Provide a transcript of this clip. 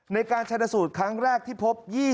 ในการชนะสูตรครั้งแรกที่พบ